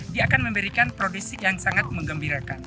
dia akan memberikan produksi yang sangat mengembirakan